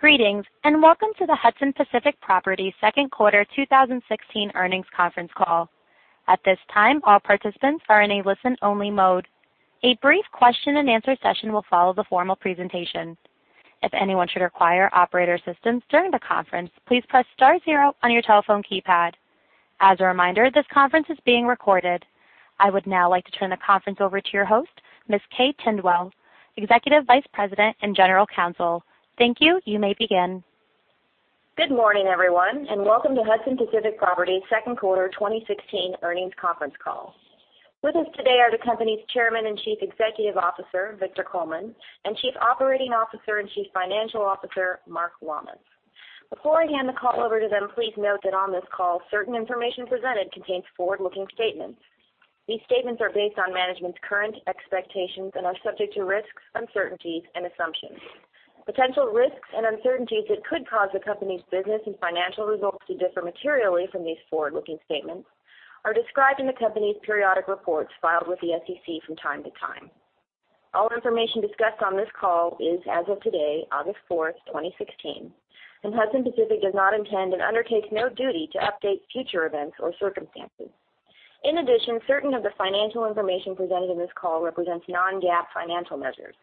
Greetings, welcome to the Hudson Pacific Properties second quarter 2016 earnings conference call. At this time, all participants are in a listen-only mode. A brief question-and-answer session will follow the formal presentation. If anyone should require operator assistance during the conference, please press star 0 on your telephone keypad. As a reminder, this conference is being recorded. I would now like to turn the conference over to your host, Ms. Kay Tidwell, Executive Vice President and General Counsel. Thank you. You may begin. Good morning, everyone, welcome to Hudson Pacific Properties second quarter 2016 earnings conference call. With us today are the company's Chairman and Chief Executive Officer, Victor Coleman, and Chief Operating Officer and Chief Financial Officer, Mark Lammas. Before I hand the call over to them, please note that on this call, certain information presented contains forward-looking statements. These statements are based on management's current expectations and are subject to risks, uncertainties, and assumptions. Potential risks and uncertainties that could cause the company's business and financial results to differ materially from these forward-looking statements are described in the company's periodic reports filed with the SEC from time to time. All information discussed on this call is as of today, August 4, 2016, Hudson Pacific does not intend and undertakes no duty to update future events or circumstances. Certain of the financial information presented in this call represents non-GAAP financial measures.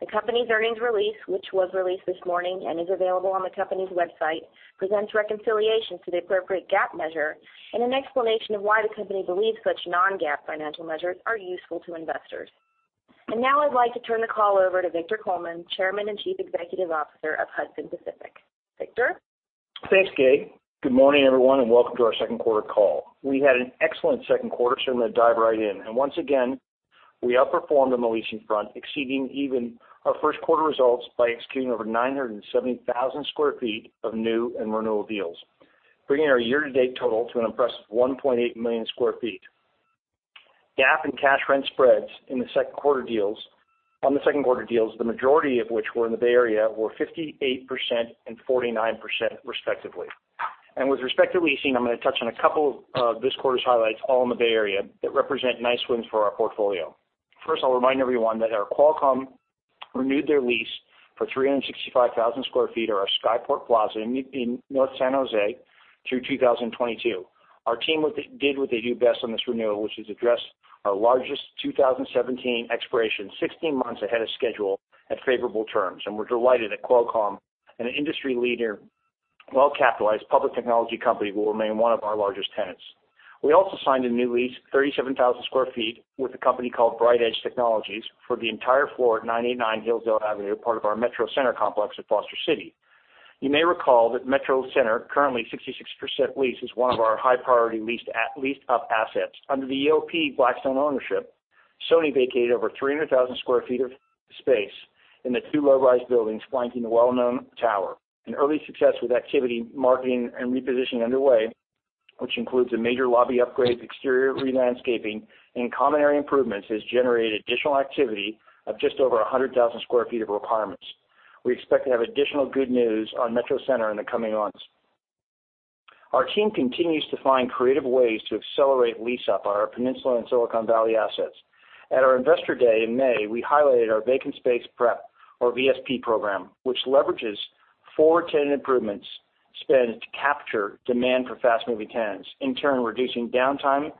The company's earnings release, which was released this morning and is available on the company's website, presents reconciliations to the appropriate GAAP measure and an explanation of why the company believes such non-GAAP financial measures are useful to investors. Now I'd like to turn the call over to Victor Coleman, Chairman and Chief Executive Officer of Hudson Pacific. Victor? Thanks, Kay. Good morning, everyone, welcome to our second quarter call. We had an excellent second quarter, I'm going to dive right in. Once again, we outperformed on the leasing front, exceeding even our first quarter results by executing over 970,000 sq ft of new and renewal deals, bringing our year-to-date total to an impressive 1.8 million sq ft. GAAP and cash rent spreads on the second quarter deals, the majority of which were in the Bay Area, were 58% and 49% respectively. With respect to leasing, I'm going to touch on a couple of this quarter's highlights, all in the Bay Area, that represent nice wins for our portfolio. First, I'll remind everyone that Qualcomm renewed their lease for 365,000 sq ft at our Skyport Plaza in North San Jose through 2022. Our team did what they do best on this renewal, which is address our largest 2017 expiration 16 months ahead of schedule at favorable terms. We're delighted that Qualcomm, an industry leader, well-capitalized public technology company, will remain one of our largest tenants. We also signed a new lease, 37,000 square feet, with a company called BrightEdge Technologies for the entire floor at 989 Hillsdale Avenue, part of our Metro Center complex at Foster City. You may recall that Metro Center, currently 66% leased, is one of our high-priority leased-up assets. Under the EOP Blackstone ownership, Sony vacated over 300,000 square feet of space in the two low-rise buildings flanking the well-known tower. An early success with activity, marketing, and repositioning underway, which includes a major lobby upgrade, exterior re-landscaping, and common area improvements, has generated additional activity of just over 100,000 square feet of requirements. We expect to have additional good news on Metro Center in the coming months. Our team continues to find creative ways to accelerate lease-up on our Peninsula and Silicon Valley assets. At our Investor Day in May, we highlighted our Vacant Space Prep or VSP program, which leverages four tenant improvements spent to capture demand for fast-moving tenants, in turn, reducing downtime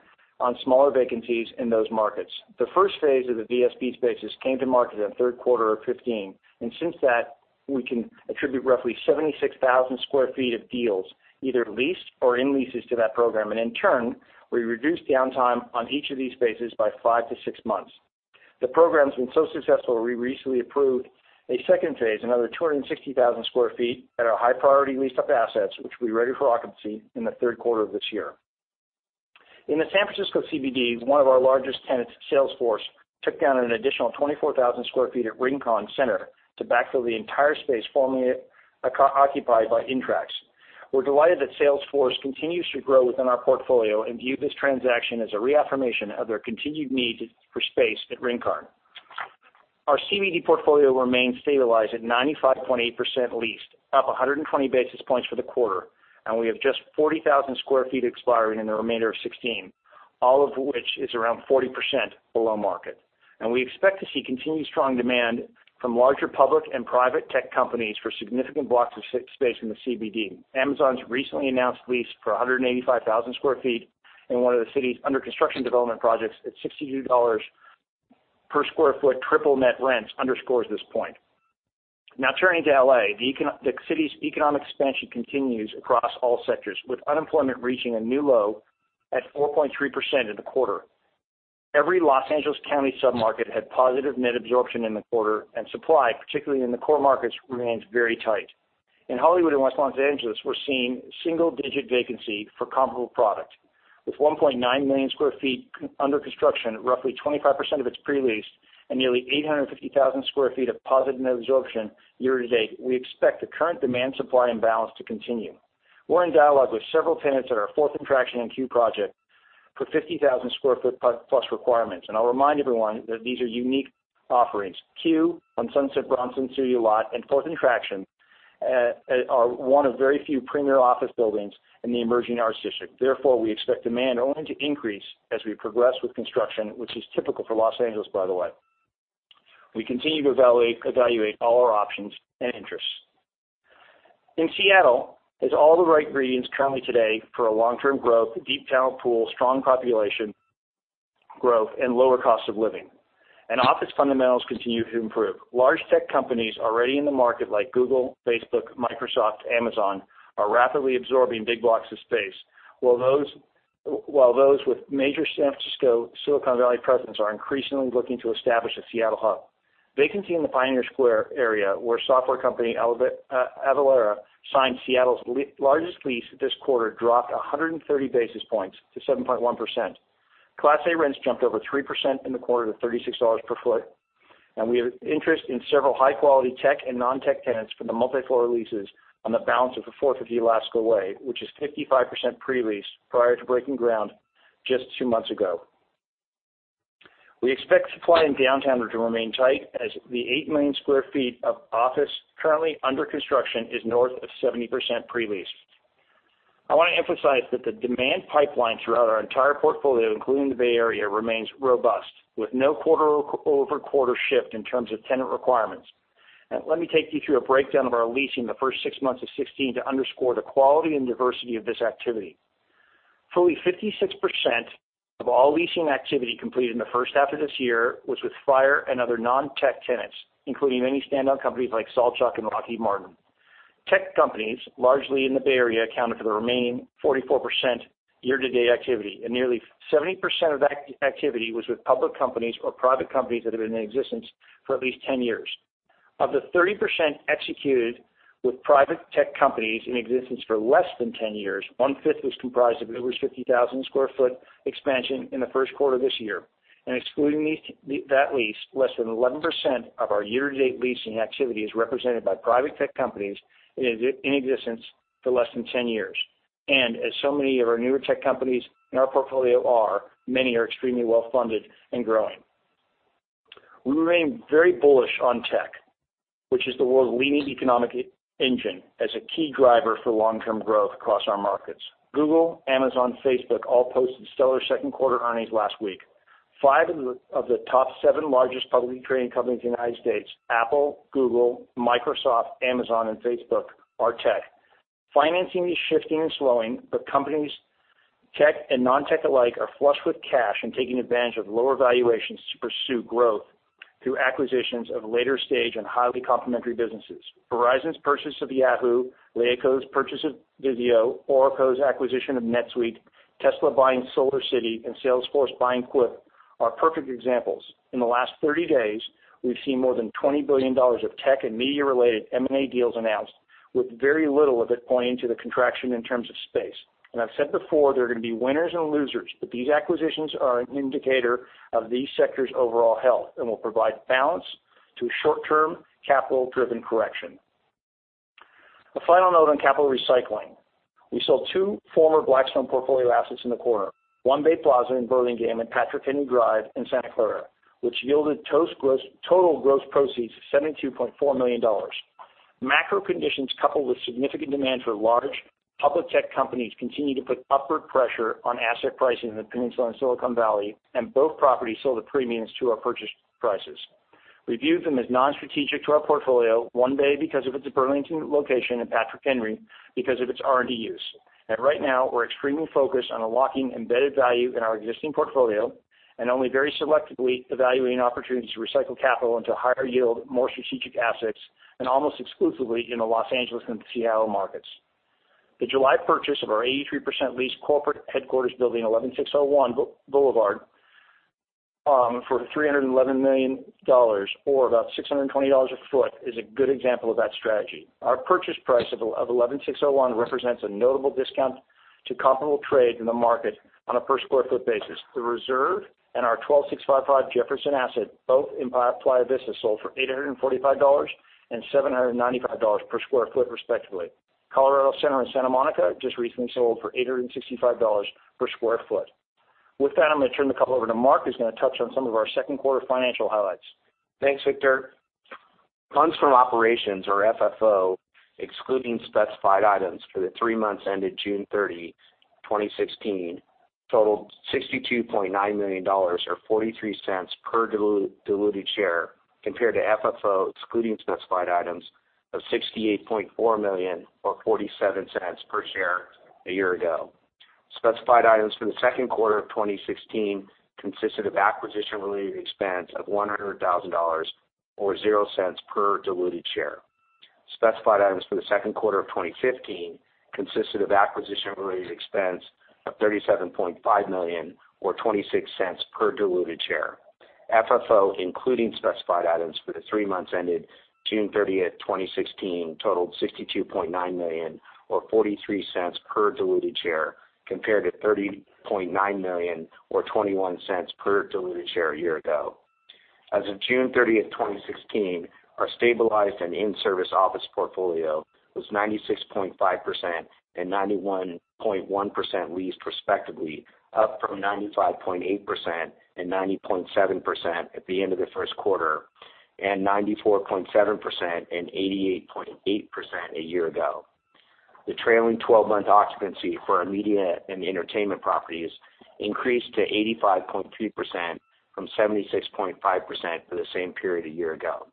on smaller vacancies in those markets. The first phase of the VSP spaces came to market in the third quarter of 2015, since that, we can attribute roughly 76,000 square feet of deals, either leased or in leases to that program. In turn, we reduced downtime on each of these spaces by five to six months. The program's been so successful, we recently approved a second phase, another 260,000 square feet at our high-priority leased-up assets, which will be ready for occupancy in the third quarter of this year. In the San Francisco CBD, one of our largest tenants, Salesforce, took down an additional 24,000 square feet at Rincon Center to backfill the entire space formerly occupied by Intrax. We're delighted that Salesforce continues to grow within our portfolio and view this transaction as a reaffirmation of their continued need for space at Rincon. Our CBD portfolio remains stabilized at 95.8% leased, up 120 basis points for the quarter, we have just 40,000 square feet expiring in the remainder of 2016, all of which is around 40% below market. We expect to see continued strong demand from larger public and private tech companies for significant blocks of space in the CBD. Amazon's recently announced lease for 185,000 square feet in one of the city's under-construction development projects at $62 per square foot triple net rents underscores this point. Turning to L.A. The city's economic expansion continues across all sectors, with unemployment reaching a new low at 4.3% in the quarter. Every Los Angeles County sub-market had positive net absorption in the quarter, supply, particularly in the core markets, remains very tight. In Hollywood and West Los Angeles, we're seeing single-digit vacancy for comparable product. With 1.9 million square feet under construction, roughly 25% of it's pre-leased, and nearly 850,000 square feet of positive net absorption year to date, we expect the current demand-supply imbalance to continue. We're in dialogue with several tenants at our Fourth and Traction and Q project for 50,000 square foot plus requirements. I'll remind everyone that these are unique offerings. Q on Sunset Bronson studio lot and Fourth and Traction are one of very few premier office buildings in the emerging Arts District. We expect demand only to increase as we progress with construction, which is typical for Los Angeles, by the way. We continue to evaluate all our options and interests. Seattle has all the right ingredients currently today for a long-term growth, deep talent pool, strong population growth, and lower cost of living. Office fundamentals continue to improve. Large tech companies already in the market like Google, Facebook, Microsoft, Amazon, are rapidly absorbing big blocks of space. While those with major San Francisco Silicon Valley presence are increasingly looking to establish a Seattle hub. Vacancy in the Pioneer Square area, where software company Avalara signed Seattle's largest lease this quarter, dropped 130 basis points to 7.1%. Class A rents jumped over 3% in the quarter to $36 per foot, we have interest in several high-quality tech and non-tech tenants for the multi-floor leases on the balance of the 450 Alaska Way, which is 55% pre-leased prior to breaking ground just two months ago. We expect supply in downtown to remain tight as the 8 million square feet of office currently under construction is north of 70% pre-leased. I want to emphasize that the demand pipeline throughout our entire portfolio, including the Bay Area, remains robust, with no quarter-over-quarter shift in terms of tenant requirements. Let me take you through a breakdown of our leasing the first six months of 2016 to underscore the quality and diversity of this activity. Fully 56% of all leasing activity completed in the first half of this year was with fire and other non-tech tenants, including many standout companies like Saltchuk and Lockheed Martin. Tech companies, largely in the Bay Area, accounted for the remaining 44% year-to-date activity, and nearly 70% of that activity was with public companies or private companies that have been in existence for at least 10 years. Of the 30% executed with private tech companies in existence for less than 10 years, one-fifth was comprised of Uber's 50,000 square foot expansion in the first quarter of this year. Excluding that lease, less than 11% of our year-to-date leasing activity is represented by private tech companies in existence for less than 10 years. As so many of our newer tech companies in our portfolio are, many are extremely well-funded and growing. We remain very bullish on tech, which is the world's leading economic engine, as a key driver for long-term growth across our markets. Google, Amazon, Facebook all posted stellar second quarter earnings last week. Five of the top seven largest publicly traded companies in the United States, Apple, Google, Microsoft, Amazon, and Facebook, are tech. Financing is shifting and slowing, but companies, tech and non-tech alike, are flush with cash and taking advantage of lower valuations to pursue growth through acquisitions of later stage and highly complementary businesses. Verizon's purchase of Yahoo, LeEco's purchase of VIZIO, Oracle's acquisition of NetSuite, Tesla buying SolarCity, and Salesforce buying Quip are perfect examples. In the last 30 days, we've seen more than $20 billion of tech and media-related M&A deals announced, with very little of it pointing to the contraction in terms of space. I've said before, there are going to be winners and losers, but these acquisitions are an indicator of these sectors' overall health and will provide balance to a short-term capital-driven correction. A final note on capital recycling. We sold two former Blackstone portfolio assets in the quarter, One Bay Plaza in Burlingame and Patrick Henry Drive in Santa Clara, which yielded total gross proceeds of $72.4 million. Macro conditions, coupled with significant demand for large public tech companies, continue to put upward pressure on asset pricing in the Peninsula and Silicon Valley, and both properties sold at premiums to our purchase prices. We viewed them as non-strategic to our portfolio, One Bay because of its Burlingame location and Patrick Henry because of its R&D use. Right now, we're extremely focused on unlocking embedded value in our existing portfolio and only very selectively evaluating opportunities to recycle capital into higher yield, more strategic assets, and almost exclusively in the Los Angeles and Seattle markets. The July purchase of our 83% leased corporate headquarters building, 11601 Boulevard, for $311 million, or about $620 per sq ft, is a good example of that strategy. Our purchase price of 11601 represents a notable discount to comparable trade in the market on a per square foot basis. The Reserve and our 12655 Jefferson asset, both in Playa Vista, sold for $845 and $795 per square foot, respectively. Colorado Center in Santa Monica just recently sold for $865 per square foot. With that, I'm going to turn the call over to Mark, who's going to touch on some of our second quarter financial highlights. Thanks, Victor. Funds from operations, or FFO, excluding specified items for the three months ended June 30, 2016, totaled $62.9 million, or $0.43 per diluted share, compared to FFO excluding specified items of $68.4 million, or $0.47 per share a year ago. Specified items for the second quarter of 2016 consisted of acquisition-related expense of $100,000, or $0.00 per diluted share. Specified items for the second quarter of 2015 consisted of acquisition-related expense of $37.5 million, or $0.26 per diluted share. FFO, including specified items for the three months ended June 30, 2016, totaled $62.9 million, or $0.43 per diluted share, compared to $30.9 million, or $0.21 per diluted share a year ago. As of June 30, 2016, our stabilized and in-service office portfolio was 96.5% and 91.1% leased respectively, up from 95.8% and 90.7% at the end of the first quarter, and 94.7% and 88.8% a year ago. The trailing 12-month occupancy for our media and entertainment properties increased to 85.3% from 76.5% for the same period a year ago.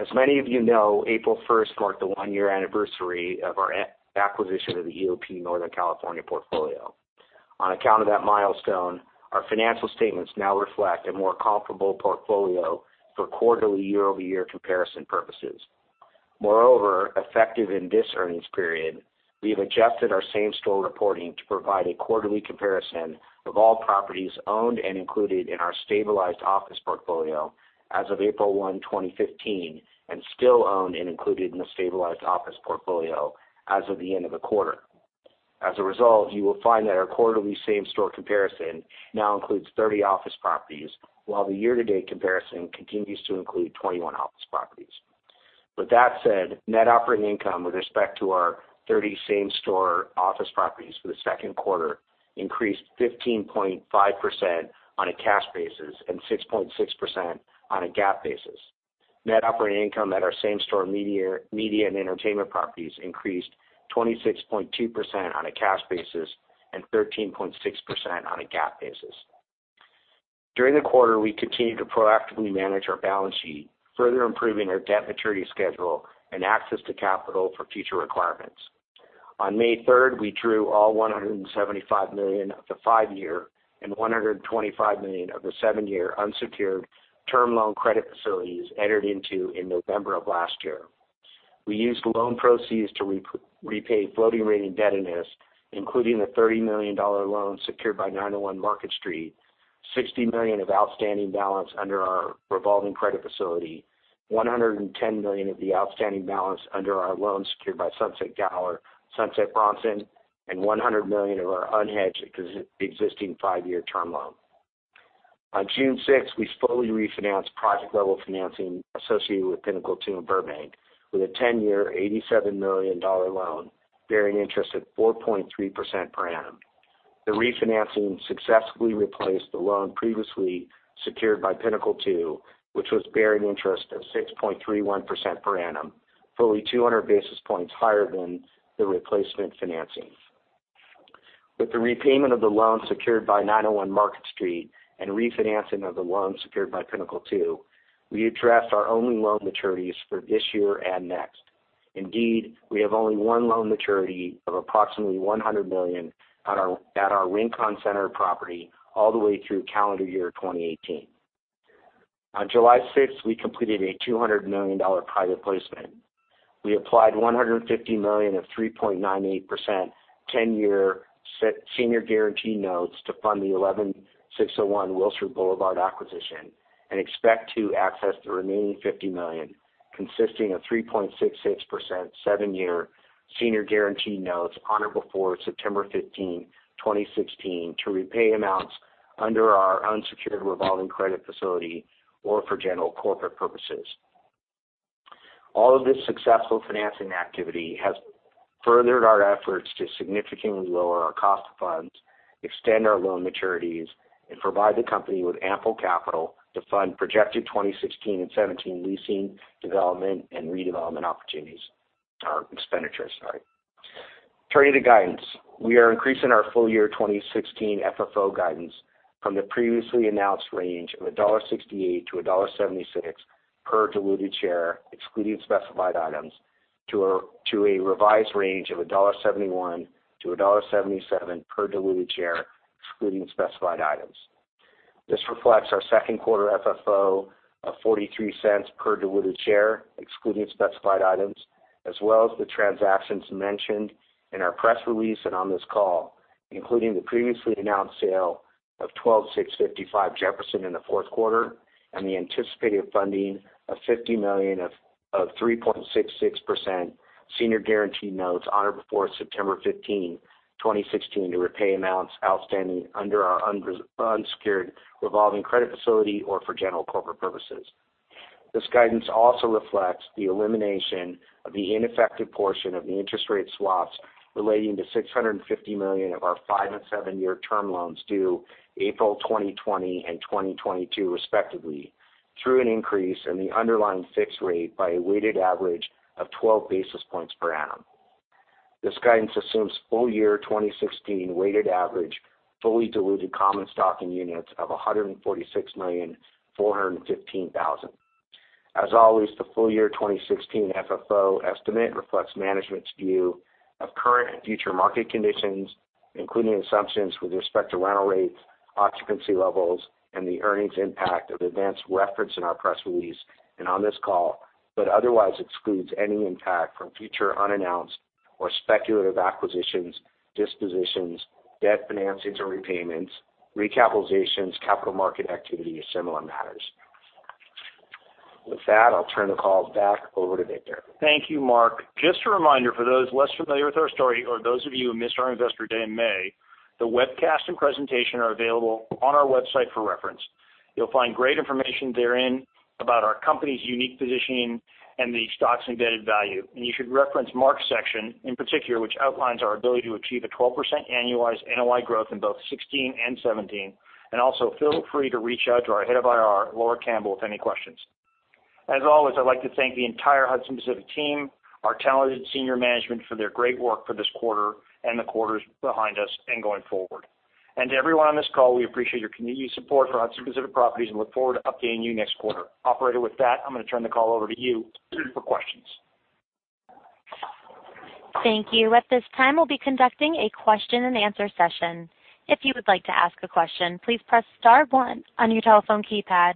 As many of you know, April 1st marked the one-year anniversary of our acquisition of the EOP Northern California portfolio. On account of that milestone, our financial statements now reflect a more comparable portfolio for quarterly year-over-year comparison purposes. Effective in this earnings period, we have adjusted our same-store reporting to provide a quarterly comparison of all properties owned and included in our stabilized office portfolio as of April 1, 2015, and still owned and included in the stabilized office portfolio as of the end of the quarter. You will find that our quarterly same-store comparison now includes 30 office properties, while the year-to-date comparison continues to include 21 office properties. With that said, Net Operating Income with respect to our 30 same-store office properties for the second quarter increased 15.5% on a cash basis and 6.6% on a GAAP basis. Net Operating Income at our same-store media and entertainment properties increased 26.2% on a cash basis and 13.6% on a GAAP basis. During the quarter, we continued to proactively manage our balance sheet, further improving our debt maturity schedule and access to capital for future requirements. On May 3rd, we drew all $175 million of the five-year and $125 million of the seven-year unsecured term loan credit facilities entered into in November of last year. We used loan proceeds to repay floating-rate indebtedness, including the $30 million loan secured by 901 Market Street, $60 million of outstanding balance under our revolving credit facility, $110 million of the outstanding balance under our loan secured by Sunset Gower, Sunset Bronson, and $100 million of our unhedged existing five-year term loan. On June 6th, we fully refinanced project-level financing associated with Pinnacle II in Burbank with a 10-year, $87 million loan bearing interest at 4.3% per annum. The refinancing successfully replaced the loan previously secured by Pinnacle II, which was bearing interest of 6.31% per annum, fully 200 basis points higher than the replacement financing. With the repayment of the loan secured by 901 Market Street and refinancing of the loan secured by Pinnacle II, we addressed our only loan maturities for this year and next. We have only one loan maturity of approximately $100 million at our Rincon Center property all the way through calendar year 2018. On July 6th, we completed a $200 million private placement. We applied $150 million of 3.98% 10-year senior guaranteed notes to fund the 11601 Wilshire Boulevard acquisition and expect to access the remaining $50 million, consisting of 3.66% seven-year senior guaranteed notes on or before September 15, 2016, to repay amounts under our unsecured revolving credit facility or for general corporate purposes. All of this successful financing activity has furthered our efforts to significantly lower our cost of funds, extend our loan maturities, and provide the company with ample capital to fund projected 2016 and 2017 leasing, development, and redevelopment opportunities. Expenditures, sorry. Turning to guidance, we are increasing our full-year 2016 FFO guidance from the previously announced range of $1.68 to $1.76 per diluted share excluding specified items to a revised range of $1.71 to $1.77 per diluted share, excluding specified items. This reflects our second quarter FFO of $0.43 per diluted share, excluding specified items, as well as the transactions mentioned in our press release and on this call, including the previously announced sale of 12655 Jefferson in the fourth quarter and the anticipated funding of $50 million of 3.66% senior guaranteed notes on or before September 15, 2016, to repay amounts outstanding under our unsecured revolving credit facility or for general corporate purposes. This guidance also reflects the elimination of the ineffective portion of the interest rate swaps relating to $650 million of our five- and seven-year term loans due April 2020 and 2022 respectively, through an increase in the underlying fixed rate by a weighted average of 12 basis points per annum. This guidance assumes full-year 2016 weighted average fully diluted common stock and units of 146,415,000. As always, the full-year 2016 FFO estimate reflects management's view of current and future market conditions, including assumptions with respect to rental rates, occupancy levels, and the earnings impact of events referenced in our press release and on this call, but otherwise excludes any impact from future unannounced or speculative acquisitions, dispositions, debt financings or repayments, recapitalizations, capital market activity, or similar matters. With that, I'll turn the call back over to Victor. Thank you, Mark. Just a reminder for those less familiar with our story or those of you who missed our Investor Day in May, the webcast and presentation are available on our website for reference. You'll find great information therein about our company's unique positioning and the stock's embedded value. You should reference Mark's section in particular, which outlines our ability to achieve a 12% annualized NOI growth in both 2016 and 2017. Also, feel free to reach out to our head of IR, Laura Campbell, with any questions. As always, I'd like to thank the entire Hudson Pacific team, our talented senior management for their great work for this quarter and the quarters behind us and going forward. To everyone on this call, we appreciate your continued support for Hudson Pacific Properties and look forward to updating you next quarter. Operator, with that, I'm going to turn the call over to you for questions. Thank you. At this time, we will be conducting a question and answer session. If you would like to ask a question, please press star one on your telephone keypad.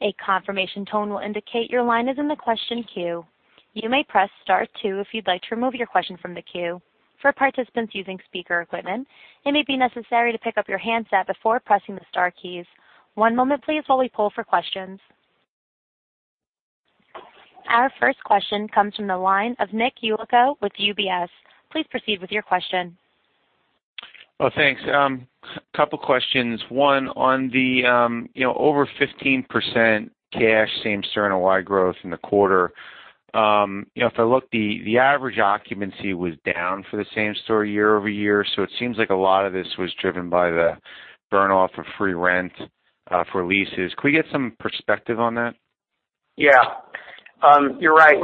A confirmation tone will indicate your line is in the question queue. You may press star two if you would like to remove your question from the queue. For participants using speaker equipment, it may be necessary to pick up your handset before pressing the star keys. One moment please, while we pull for questions. Our first question comes from the line of Nick Yulico with UBS. Please proceed with your question. Thanks. Couple questions. One, on the over 15% cash same-store NOI growth in the quarter. If I look, the average occupancy was down for the same-store year-over-year. It seems like a lot of this was driven by the burn-off of free rent for leases. Could we get some perspective on that? Yeah. You are right.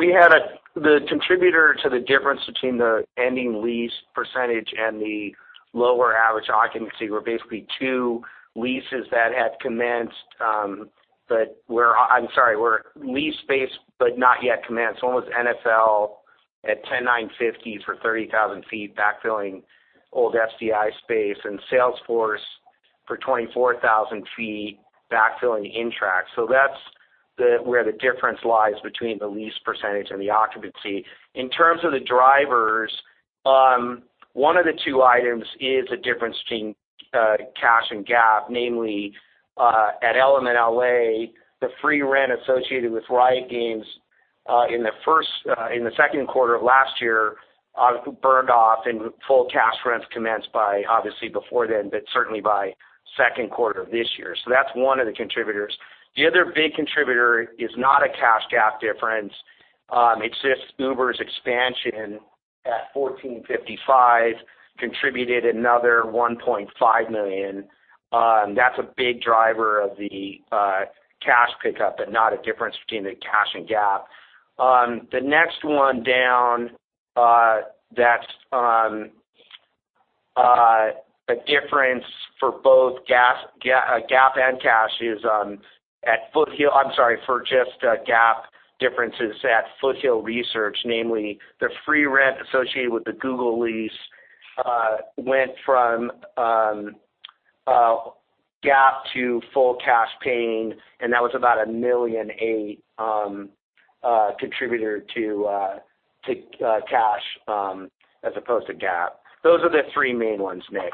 The contributor to the difference between the ending lease percentage and the lower average occupancy were basically two leases that had commenced, but were lease-based, but not yet commenced. One was NFL at 10950 for 30,000 sq ft backfilling old FTI space and Salesforce for 24,000 sq ft backfilling Intrax. That is where the difference lies between the lease percentage and the occupancy. In terms of the drivers, one of the two items is the difference between cash and GAAP, namely at Element LA, the free rent associated with Riot Games, in the second quarter of last year burned off and full cash rents commenced by obviously before then, but certainly by second quarter of this year. That is one of the contributors. The other big contributor is not a cash GAAP difference. It is just Uber's expansion at 1455 contributed another $1.5 million. That is a big driver of the cash pickup, but not a difference between the cash and GAAP. The next one down that is a difference for both GAAP and cash is at Foothill Research, namely the free rent associated with the Google lease, went from GAAP to full cash paying, and that was about a $1.8 million contributor to cash as opposed to GAAP. Those are the three main ones, Nick.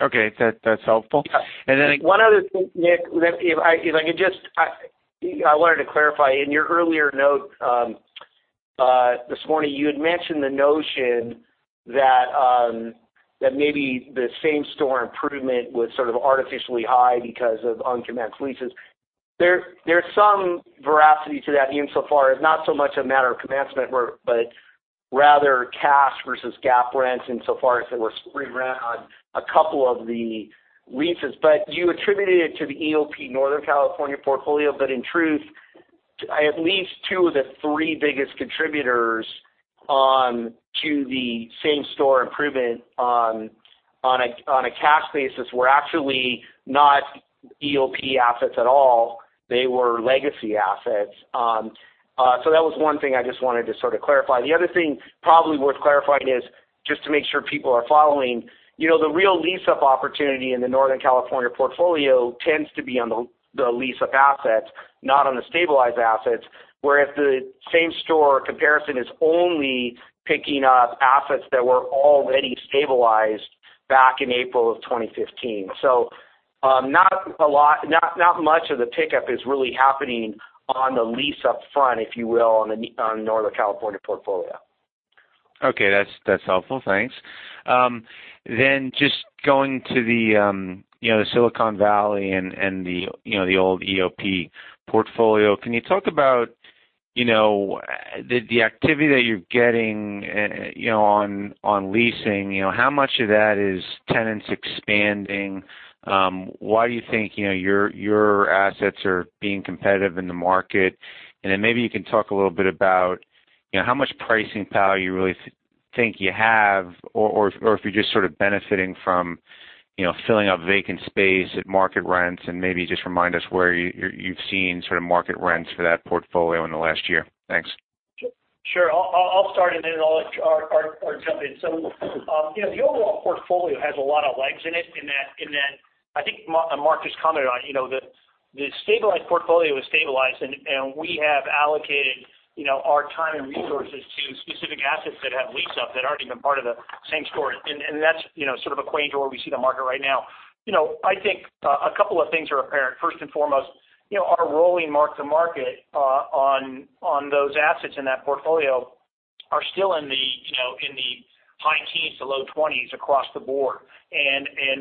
Okay. That's helpful. Yeah. Then. One other thing, Nick Yulico, if I could just I wanted to clarify. In your earlier note this morning, you had mentioned the notion that maybe the same-store improvement was sort of artificially high because of uncommenced leases. There's some veracity to that insofar as not so much a matter of commencement, but rather cash versus GAAP rents insofar as there was free rent on a couple of the leases. You attributed it to the EOP Northern California portfolio, in truth, at least two of the three biggest contributors on to the same-store improvement on a cash basis were actually not EOP assets at all. They were legacy assets. That was one thing I just wanted to sort of clarify. The other thing probably worth clarifying is just to make sure people are following. The real lease-up opportunity in the Northern California portfolio tends to be on the lease-up assets, not on the stabilized assets, whereas the same-store comparison is only picking up assets that were already stabilized back in April of 2015. Not much of the pickup is really happening on the lease up front, if you will, on the Northern California portfolio. Okay. That's helpful. Thanks. Just going to the Silicon Valley and the old EOP portfolio. Can you talk about the activity that you're getting on leasing, how much of that is tenants expanding? Why do you think your assets are being competitive in the market? Maybe you can talk a little bit about how much pricing power you really think you have, or if you're just sort of benefiting from filling up vacant space at market rents, and maybe just remind us where you've seen sort of market rents for that portfolio in the last year. Thanks. Sure. I'll start and then I'll let Art jump in. The overall portfolio has a lot of legs in it, in that I think Mark just commented on. The stabilized portfolio is stabilized, and we have allocated our time and resources to specific assets that have lease-up that aren't even part of the same story. That's sort of quaint to where we see the market right now. I think a couple of things are apparent. First and foremost, our rolling mark-to-market on those assets in that portfolio are still in the high teens to low 20s across the board.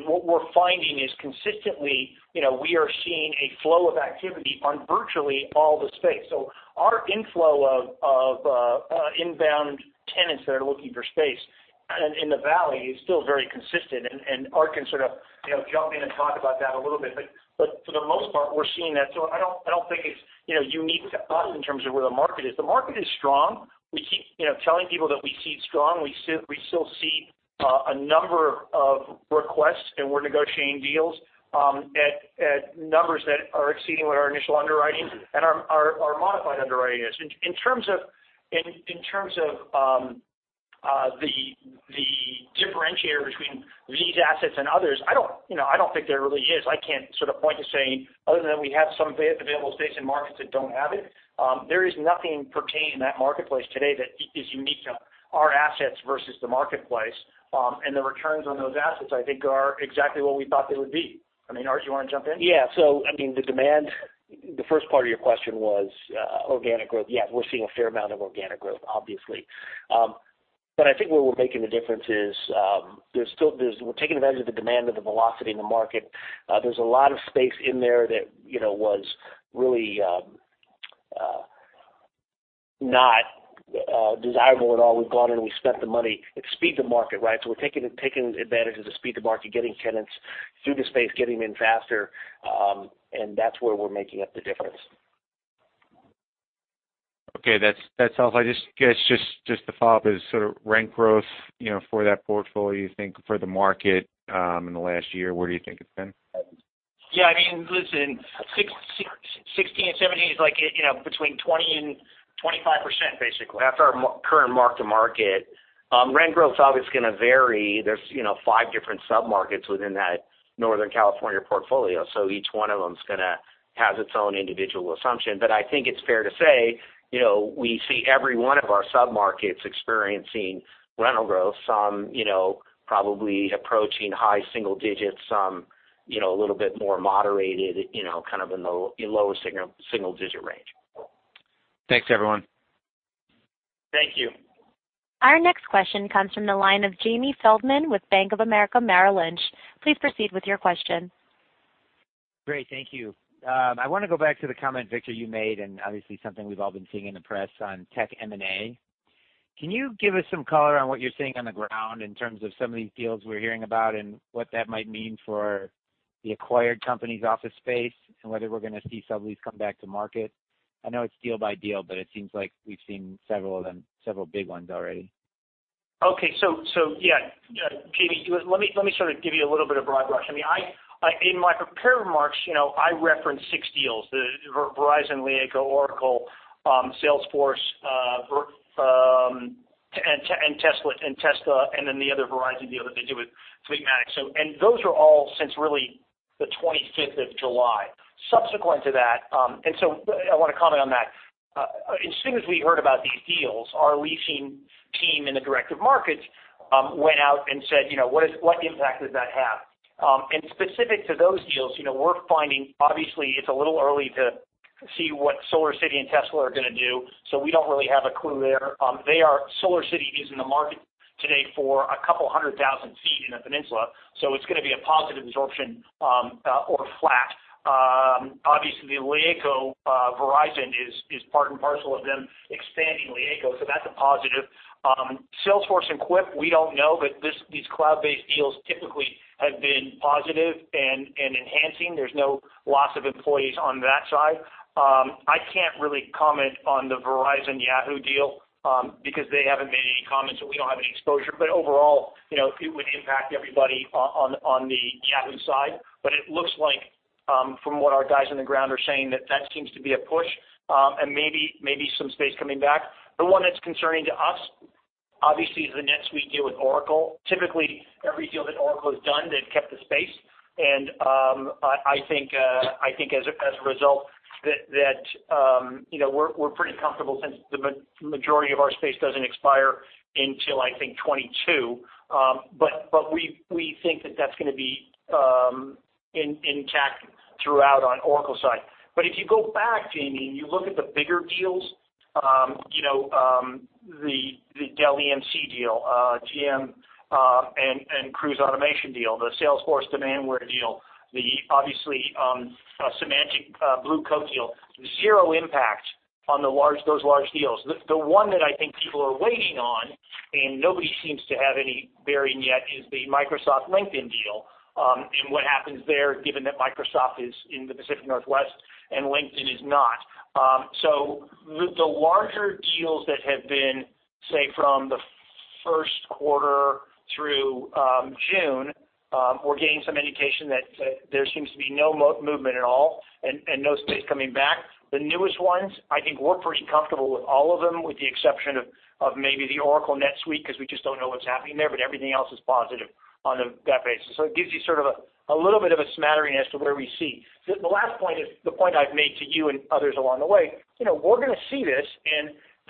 What we're finding is consistently we are seeing a flow of activity on virtually all the space. Our inflow of inbound tenants that are looking for space In the Valley, it's still very consistent, and Art can sort of jump in and talk about that a little bit. For the most part, we're seeing that. I don't think it's unique to us in terms of where the market is. The market is strong. We keep telling people that we see it strong. We still see a number of requests, and we're negotiating deals at numbers that are exceeding what our initial underwriting and our modified underwriting is. In terms of the differentiator between these assets and others, I don't think there really is. I can't sort of point to saying, other than we have some available space in markets that don't have it. There is nothing per se in that marketplace today that is unique to our assets versus the marketplace. The returns on those assets, I think, are exactly what we thought they would be. I mean, Art, do you want to jump in? Yeah. The demand, the first part of your question was organic growth. Yeah, we're seeing a fair amount of organic growth, obviously. I think where we're making the difference is, we're taking advantage of the demand and the velocity in the market. There's a lot of space in there that was really not desirable at all. We've gone in, and we spent the money. It's speed to market, right? We're taking advantage of the speed to market, getting tenants through the space, getting them in faster, and that's where we're making up the difference. Okay. That's helpful. I guess just to follow up is sort of rent growth for that portfolio, you think for the market in the last year, where do you think it's been? Yeah, listen, 2016 and 2017 is between 20%-25%, basically. That's our current mark-to-market. Rent growth's obviously going to vary. There's five different sub-markets within that Northern California portfolio. Each one of them has its own individual assumption. I think it's fair to say, we see every one of our sub-markets experiencing rental growth. Some probably approaching high single digits, some a little bit more moderated, kind of in the lower single-digit range. Thanks, everyone. Thank you. Our next question comes from the line of Jamie Feldman with Bank of America Merrill Lynch. Please proceed with your question. Great. Thank you. I want to go back to the comment, Victor, you made, and obviously something we've all been seeing in the press on tech M&A. Can you give us some color on what you're seeing on the ground in terms of some of these deals we're hearing about and what that might mean for the acquired company's office space and whether we're going to see sublease come back to market? I know it's deal by deal, but it seems like we've seen several of them, several big ones already. Okay. Yeah. Jamie, let me give you a little bit of broad brush. I mean, in my prepared remarks I referenced 6 deals, the Verizon, LeEco, Oracle, Salesforce, and Tesla, and then the other Verizon deal that they do with Fleetmatics. Those are all since really the 25th of July. Subsequent to that, I want to comment on that. As soon as we heard about these deals, our leasing team in the directive markets went out and said, "What impact does that have?" Specific to those deals, we're finding, obviously it's a little early to see what SolarCity and Tesla are going to do. We don't really have a clue there. SolarCity is in the market today for a couple hundred thousand feet in the peninsula, it's going to be a positive absorption or flat. Obviously, the LeEco-Verizon is part and parcel of them expanding LeEco, that's a positive. Salesforce and Quip, we don't know, these cloud-based deals typically have been positive and enhancing. There's no loss of employees on that side. I can't really comment on the Verizon-Yahoo deal because they haven't made any comments, and we don't have any exposure. Overall, it would impact everybody on the Yahoo side. It looks like, from what our guys on the ground are saying, that that seems to be a push and maybe some space coming back. The one that's concerning to us, obviously, is the NetSuite deal with Oracle. Typically, every deal that Oracle has done, they've kept the space. I think as a result that we're pretty comfortable since the majority of our space doesn't expire until I think 2022. We think that that's going to be intact throughout on Oracle's side. If you go back, Jamie, and you look at the bigger deals the Dell-EMC deal, GM and Cruise Automation deal, the Salesforce-Demandware deal, obviously Symantec Blue Coat deal, zero impact on those large deals. The one that I think people are waiting on, and nobody seems to have any bearing yet, is the Microsoft-LinkedIn deal and what happens there given that Microsoft is in the Pacific Northwest and LinkedIn is not. The larger deals that have been, say, from the first quarter through June, we're getting some indication that there seems to be no movement at all and no space coming back. The newest ones, I think we're pretty comfortable with all of them with the exception of maybe the Oracle-NetSuite because we just don't know what's happening there, everything else is positive on that basis. It gives you a little bit of a smattering as to where we see. The last point is the point I've made to you and others along the way. We're going to see this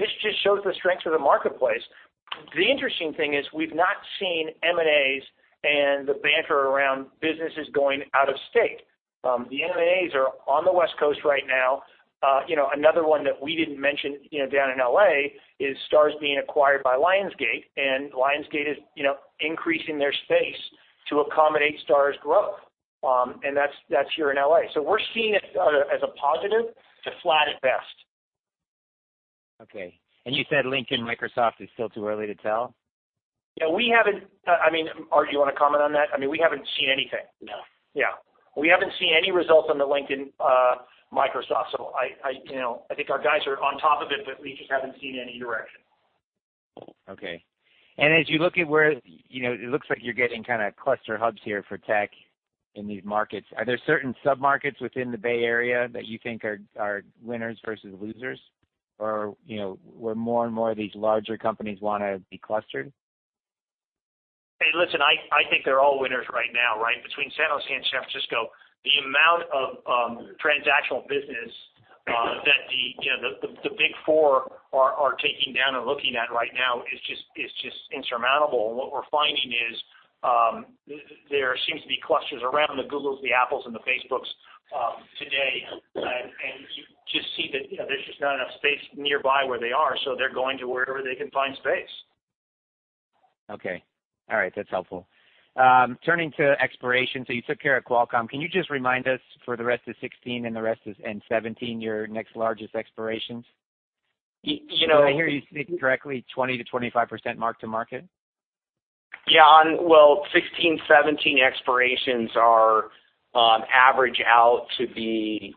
just shows the strength of the marketplace. The interesting thing is we've not seen M&As and the banter around businesses going out of state. The M&As are on the West Coast right now. Another one that we didn't mention down in L.A. is Starz being acquired by Lionsgate, and Lionsgate is increasing their space to accommodate Starz' growth, and that's here in L.A. We're seeing it as a positive to flat at best. Okay. You said LinkedIn Microsoft is still too early to tell? Yeah. Art, do you want to comment on that? We haven't seen anything. No. Yeah. We haven't seen any results on the LinkedIn Microsoft. I think our guys are on top of it, but we just haven't seen any direction. Okay. It looks like you're getting kind of cluster hubs here for tech in these markets. Are there certain sub-markets within the Bay Area that you think are winners versus losers, or where more and more of these larger companies want to be clustered? Hey, listen, I think they're all winners right now, right? Between San Jose and San Francisco, the amount of transactional business that the big four are taking down and looking at right now is just insurmountable. What we're finding is there seems to be clusters around the Googles, the Apples, and the Facebooks today. You just see that there's just not enough space nearby where they are, so they're going to wherever they can find space. Okay. All right, that's helpful. Turning to expiration, so you took care of Qualcomm. Can you just remind us for the rest of 2016 and 2017, your next largest expirations? You know. Did I hear you state correctly 20%-25% mark-to-market? Yeah. Well, 2016-2017 expirations are on average in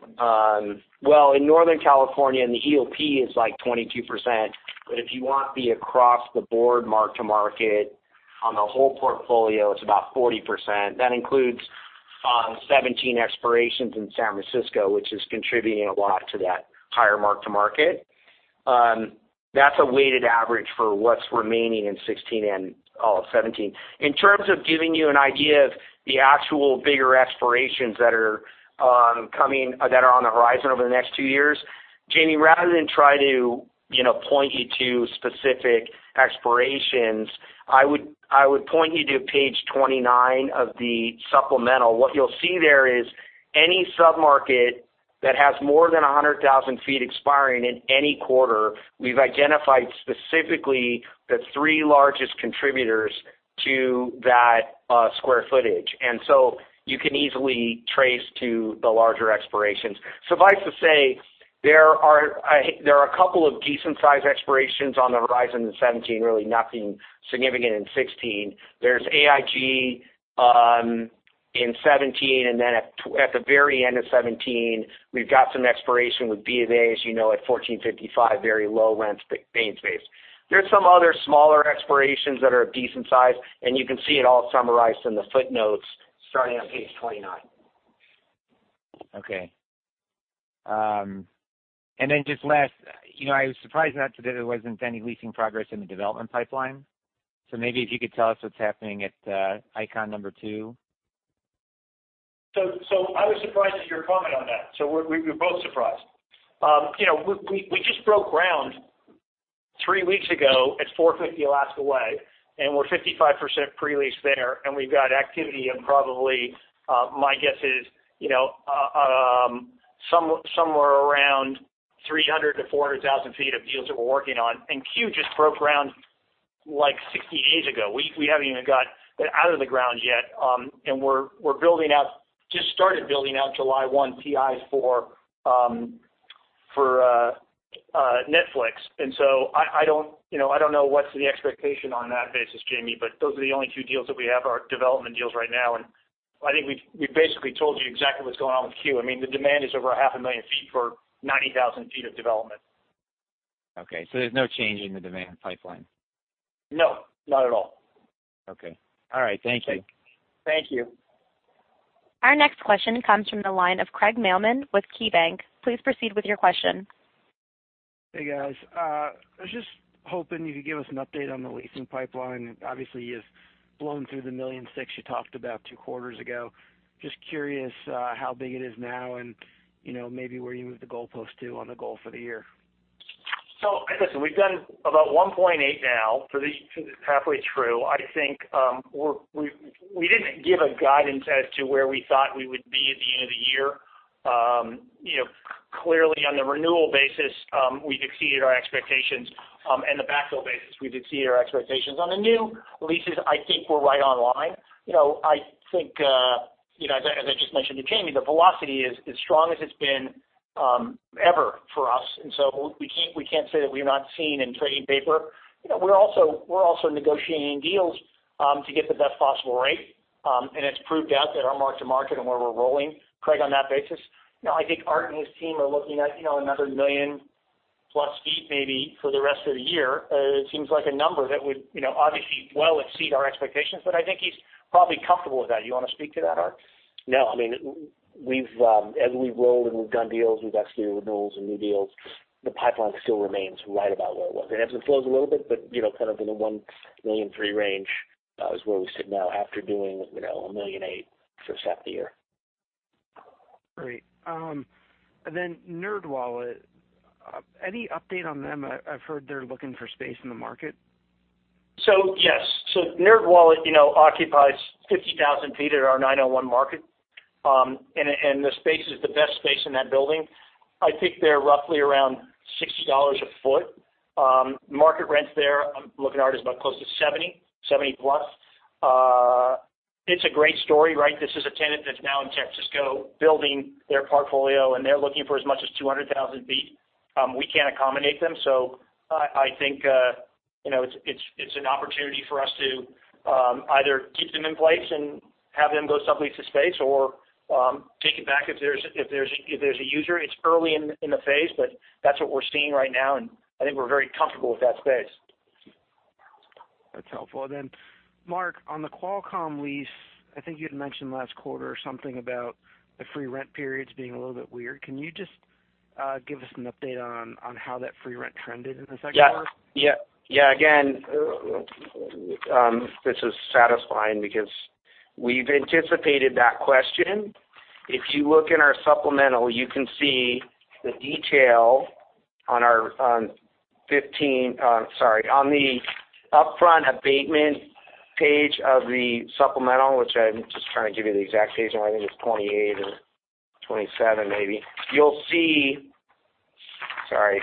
Northern California, and the EOP is like 22%, but if you want the across-the-board mark-to-market on the whole portfolio, it's about 40%. That includes 2017 expirations in San Francisco, which is contributing a lot to that higher mark-to-market. That's a weighted average for what's remaining in 2016 and all of 2017. In terms of giving you an idea of the actual bigger expirations that are on the horizon over the next two years, Jamie, rather than try to point you to specific expirations, I would point you to page 29 of the supplemental. What you'll see there is any sub-market that has more than 100,000 feet expiring in any quarter, we've identified specifically the three largest contributors to that square footage. You can easily trace to the larger expirations. Suffice to say, there are a couple of decent-sized expirations on the horizon in 2017, really nothing significant in 2016. There's AIG in 2017, then at the very end of 2017, we've got some expiration with B of A, as you know, at 1455, very low-rent bank space. There's some other smaller expirations that are a decent size, you can see it all summarized in the footnotes starting on page 29. Okay. Just last, I was surprised that there wasn't any leasing progress in the development pipeline. Maybe if you could tell us what's happening at ICON number 2. I was surprised at your comment on that, so we're both surprised. We just broke ground three weeks ago at 450 Alaska Way, we're 55% pre-leased there, we've got activity in probably, my guess is, somewhere around 300,000 to 400,000 feet of deals that we're working on. Q just broke ground, like 60 days ago. We haven't even got out of the ground yet. We're building out, just started building out July 1 TIs for Netflix. I don't know what's the expectation on that basis, Jamie, but those are the only two deals that we have, our development deals right now. I think we've basically told you exactly what's going on with Q. The demand is over a half a million feet for 90,000 feet of development. Okay, there's no change in the demand pipeline. No, not at all. Okay. All right. Thank you. Thank you. Our next question comes from the line of Craig Mailman with KeyBanc. Please proceed with your question. Hey, guys. I was just hoping you could give us an update on the leasing pipeline. Obviously, you've blown through the 1.6 million sq ft you talked about two quarters ago. Just curious how big it is now and maybe where you moved the goalpost to on the goal for the year. Listen, we've done about 1.8 million sq ft now for these halfway through. I think we didn't give a guidance as to where we thought we would be at the end of the year. Clearly, on the renewal basis, we've exceeded our expectations, and the backfill basis, we've exceeded our expectations. On the new leases, I think we're right online. I think as I just mentioned to Jamie, the velocity is as strong as it's been ever for us, and so we can't say that we've not seen in trading paper. We're also negotiating deals to get the best possible rate, and it's proved out that our mark-to-market and where we're rolling, Craig, on that basis. I think Art and his team are looking at another 1 million-plus sq ft maybe for the rest of the year. It seems like a number that would obviously well exceed our expectations, I think he's probably comfortable with that. You want to speak to that, Art? No. As we've rolled and we've done deals, we've got some renewals and new deals. The pipeline still remains right about where it was. It ebbs and flows a little bit, but kind of in the $1.3 million range is where we sit now after doing $1.8 million for the year. Great. NerdWallet, any update on them? I've heard they're looking for space in the market. Yes. NerdWallet occupies 50,000 sq ft at our 901 Market. The space is the best space in that building. I think they're roughly around $60 a sq ft. Market rents there, I'm looking at Art, is about close to $70+. It's a great story, right? This is a tenant that's now in San Francisco building their portfolio, and they're looking for as much as 200,000 sq ft. We can't accommodate them. I think it's an opportunity for us to either keep them in place and have them go sublease the space or take it back if there's a user. It's early in the phase, that's what we're seeing right now, and I think we're very comfortable with that space. That's helpful. Mark, on the Qualcomm lease, I think you'd mentioned last quarter something about the free rent periods being a little bit weird. Can you just give us an update on how that free rent trended in the second quarter? Yeah. Again, this is satisfying because we've anticipated that question. If you look in our supplemental, you can see the detail on the upfront abatement page of the supplemental, which I'm just trying to give you the exact page number. I think it's 28 or 27 maybe. 27. No. Let's see. Where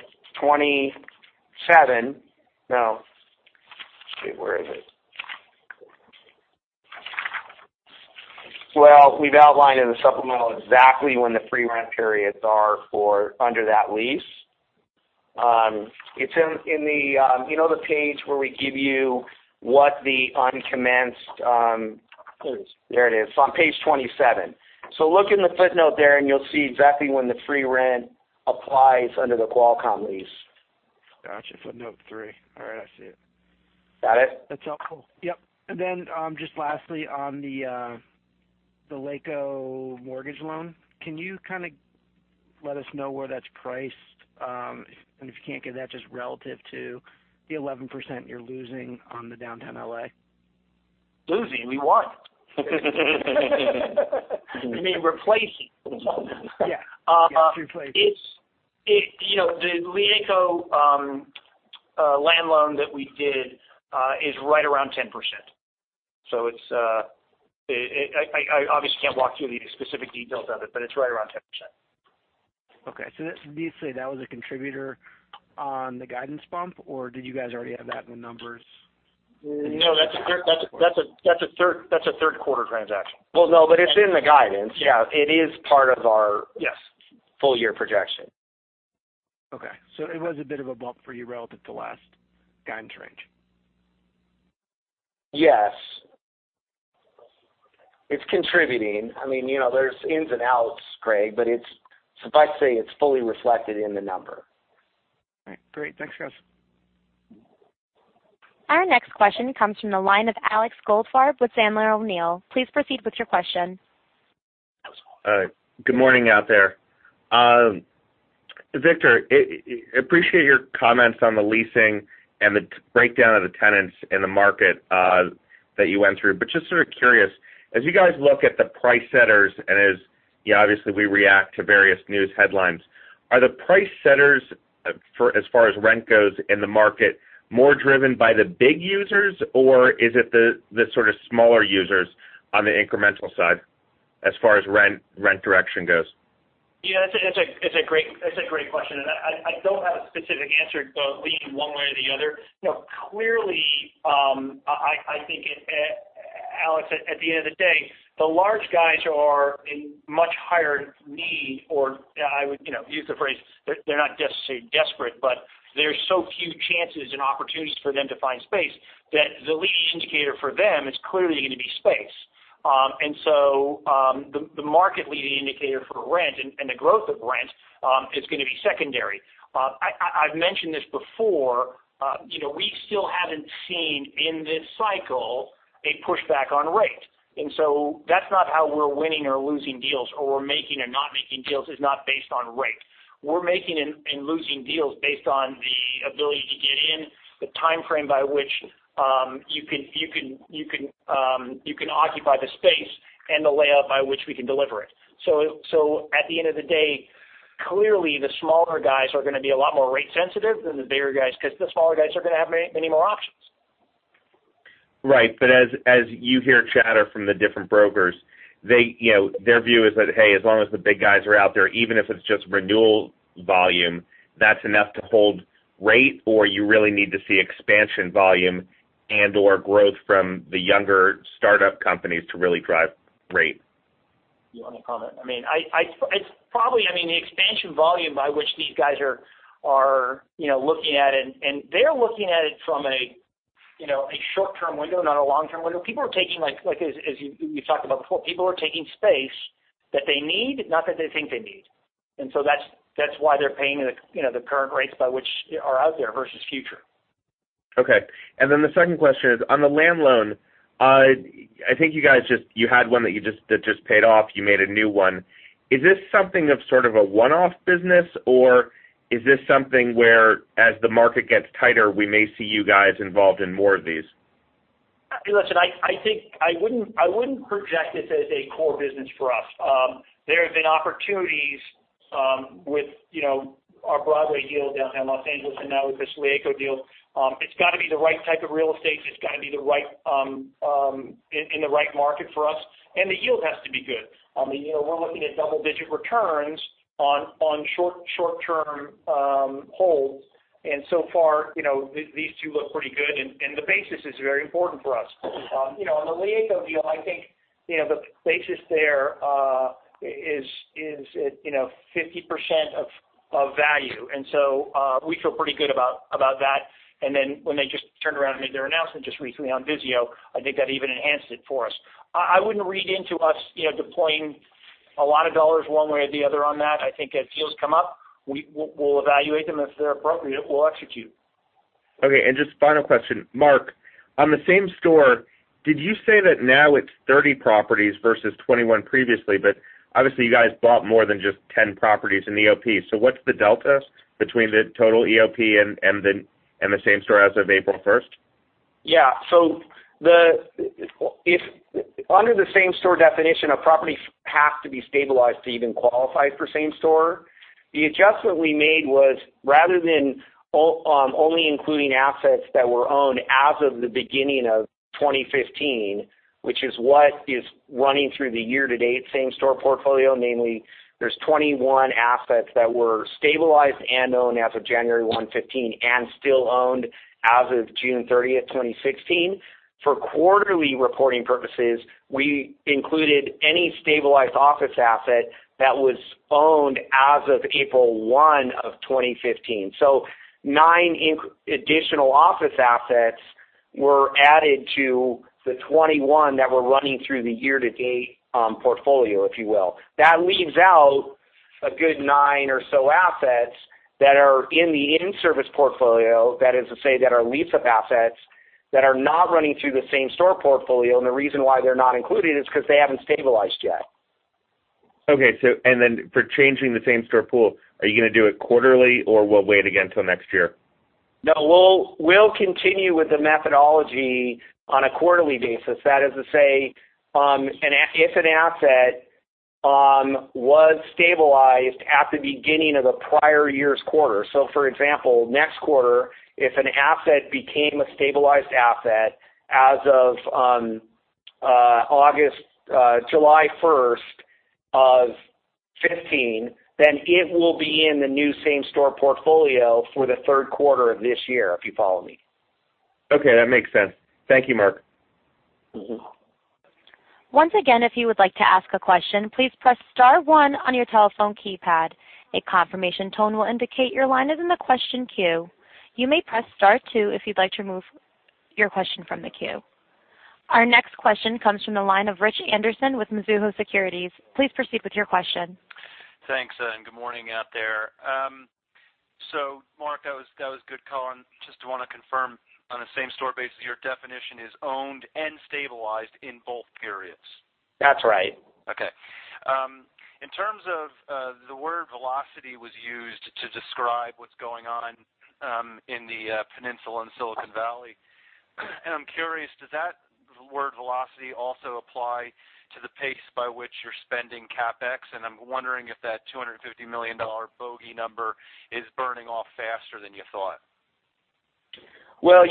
is it? Well, we've outlined in the supplemental exactly when the free rent periods are for under that lease. You know the page where we give you what There it is. It's on page 27. Look in the footnote there and you'll see exactly when the free rent applies under the Qualcomm lease. Got you, footnote three. I see it. Got it? That's helpful. Yep. Just lastly on the LeEco mortgage loan, can you kind of let us know where that's priced? If you can't give that, just relative to the 11% you're losing on the downtown L.A. Losing? We won. You mean replacing. Yeah. The LeEco land loan that we did, is right around 10%. I obviously can't walk through the specific details of it's right around 10%. Okay. That's, briefly, that was a contributor on the guidance bump, or did you guys already have that in the numbers? No, that's a third quarter transaction. No, it's in the guidance. Yeah. It is part of our- Yes full-year projection. Okay. It was a bit of a bump for you relative to last guidance range. Yes. It's contributing. There's ins and outs, Craig, but suffice to say, it's fully reflected in the number. All right. Great. Thanks, guys. Our next question comes from the line of Alex Goldfarb with Sandler O'Neill. Please proceed with your question. Good morning out there. Victor, appreciate your comments on the leasing and the breakdown of the tenants in the market that you went through. Just sort of curious, as you guys look at the price setters and as obviously we react to various news headlines, are the price setters, as far as rent goes in the market, more driven by the big users, or is it the sort of smaller users on the incremental side, as far as rent direction goes? It's a great question. I don't have a specific answer to lean one way or the other. I think Alex, at the end of the day, the large guys are in much higher need or I would use the phrase they're not necessarily desperate, but there's so few chances and opportunities for them to find space, that the leading indicator for them is clearly going to be space. The market leading indicator for rent and the growth of rent, is going to be secondary. I've mentioned this before, we still haven't seen in this cycle a pushback on rate. That's not how we're winning or losing deals or we're making or not making deals. It's not based on rate. We're making and losing deals based on the ability to get in, the timeframe by which you can occupy the space, and the layout by which we can deliver it. At the end of the day, clearly the smaller guys are going to be a lot more rate sensitive than the bigger guys because the smaller guys are going to have many more options. Right. As you hear chatter from the different brokers, their view is that, hey, as long as the big guys are out there, even if it's just renewal volume, that's enough to hold rate. You really need to see expansion volume and/or growth from the younger startup companies to really drive rate. You want to comment? Probably the expansion volume by which these guys are looking at it, they're looking at it from a short-term window, not a long-term window. People are taking, like as you talked about before, people are taking space that they need, not that they think they need. That's why they're paying the current rates by which are out there versus future. Okay. The second question is on the land loan. I think you guys had one that just paid off, you made a new one. Is this something of sort of a one-off business, or is this something where as the market gets tighter, we may see you guys involved in more of these? Listen, I wouldn't project this as a core business for us. There have been opportunities with Our Broadway deal, Downtown Los Angeles, and now with this LeEco deal. It's got to be the right type of real estate, it's got to be in the right market for us, and the yield has to be good. We're looking at double-digit returns on short-term holds, and so far, these two look pretty good, and the basis is very important for us. On the LeEco deal, I think, the basis there is 50% of value, and so we feel pretty good about that. When they just turned around and made their announcement just recently on VIZIO, I think that even enhanced it for us. I wouldn't read into us deploying a lot of dollars one way or the other on that. I think as deals come up, we'll evaluate them. If they're appropriate, we'll execute. Okay. Just final question. Mark, on the same-store, did you say that now it's 30 properties versus 21 previously? Obviously you guys bought more than just 10 properties in EOP. What's the delta between the total EOP and the same-store as of April 1st? Yeah. Under the same-store definition, a property has to be stabilized to even qualify for same-store. The adjustment we made was rather than only including assets that were owned as of the beginning of 2015, which is what is running through the year-to-date same-store portfolio, namely, there's 21 assets that were stabilized and owned as of January 1, 2015, and still owned as of June 30th, 2016. For quarterly reporting purposes, we included any stabilized office asset that was owned as of April 1 of 2015. Nine additional office assets were added to the 21 that were running through the year-to-date portfolio, if you will. That leaves out a good nine or so assets that are in the in-service portfolio, that is to say that are lease-up assets that are not running through the same-store portfolio, and the reason why they're not included is because they haven't stabilized yet. Okay. For changing the same-store pool, are you going to do it quarterly, or we'll wait again till next year? No. We'll continue with the methodology on a quarterly basis. That is to say, if an asset was stabilized at the beginning of the prior year's quarter. For example, next quarter, if an asset became a stabilized asset as of July 1st of 2015, then it will be in the new same-store portfolio for the third quarter of this year, if you follow me. Okay, that makes sense. Thank you, Mark. Once again, if you would like to ask a question, please press star one on your telephone keypad. A confirmation tone will indicate your line is in the question queue. You may press star two if you'd like to remove your question from the queue. Our next question comes from the line of Rich Anderson with Mizuho Securities. Please proceed with your question. Thanks, good morning out there. Mark, that was good, Coleman. Just want to confirm on the same-store basis, your definition is owned and stabilized in both periods. That's right. Okay. In terms of the word velocity was used to describe what's going on in the Peninsula and Silicon Valley. I'm curious, does that word velocity also apply to the pace by which you're spending CapEx? I'm wondering if that $250 million bogey number is burning off faster than you thought. Well,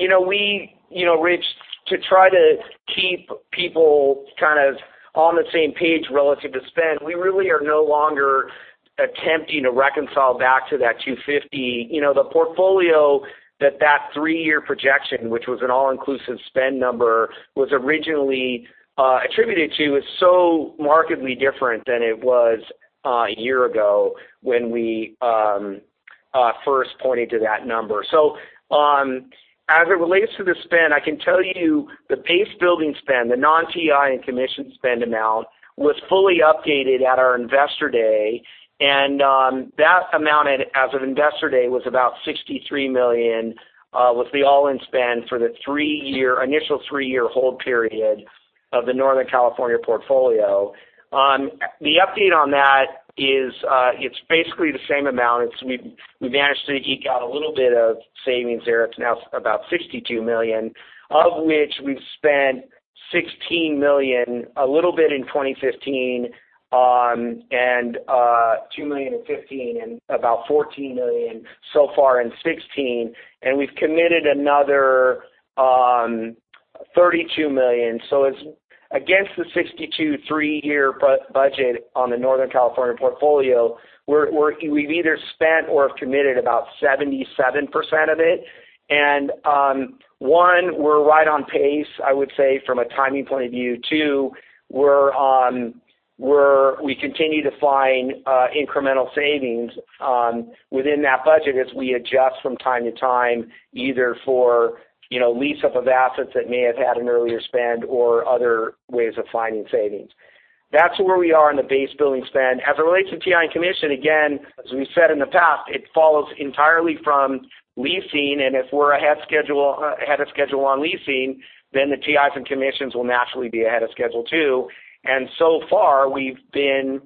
Rich, to try to keep people kind of on the same page relative to spend, we really are no longer attempting to reconcile back to that 250. The portfolio that that three-year projection, which was an all-inclusive spend number, was originally attributed to, is so markedly different than it was a year ago when we first pointed to that number. As it relates to the spend, I can tell you the base-building spend, the non-TI and commission spend amount, was fully updated at our investor day, and that amounted, as of investor day, was about $63 million, was the all-in spend for the initial three-year hold period of the Northern California portfolio. The update on that is basically the same amount. We've managed to eke out a little bit of savings there. It's now about $62 million, of which we've spent $16 million, a little bit in 2015, and $2 million in 2015, and about $14 million so far in 2016, and we've committed another $32 million. It's against the $62 million three-year budget on the Northern California portfolio. We've either spent or have committed about 77% of it. One, we're right on pace, I would say, from a timing point of view. Two, we continue to find incremental savings within that budget as we adjust from time to time, either for lease-up of assets that may have had an earlier spend or other ways of finding savings. That's where we are in the base-building spend. As it relates to TI and commission, again, as we've said in the past, it follows entirely from leasing, and if we're ahead of schedule on leasing, then the TIs and commissions will naturally be ahead of schedule, too. So far, we've been